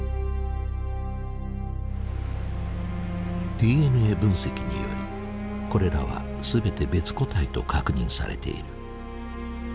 ＤＮＡ分析によりこれらは全て別個体と確認されている。